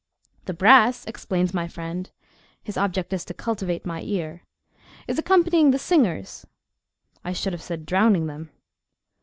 "The brass," explains my friend—his object is to cultivate my ear—"is accompanying the singers." I should have said drowning them.